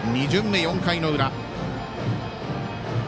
２巡目、４回の裏。